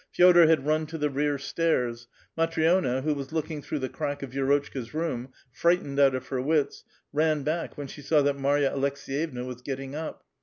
Fe6<.lor had run to the rear stairs ; Matn6na, who was looking through the crack of Vi^rotchka's room, fright ened out of her wits, ran back when she saw that Marva Alekseyevna was getting up.